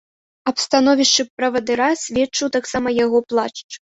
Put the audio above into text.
Аб становішчы правадыра сведчыў таксама яго плашч.